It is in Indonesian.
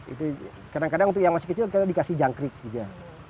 itu kadang kadang untuk yang masih kecil kita dikasih jangkrik juga